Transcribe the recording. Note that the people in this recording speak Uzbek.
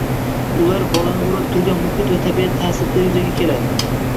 ular bolani o‘rab turgan muhit va tabiat taʼsirida yuzaga keladi.